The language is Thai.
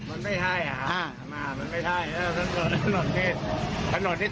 มันไม่ใช่ครับมันไม่ใช่